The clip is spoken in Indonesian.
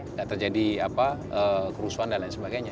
tidak terjadi kerusuhan dan lain sebagainya